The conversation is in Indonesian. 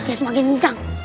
gies makin ngenjang